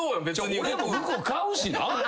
俺も服買うしな。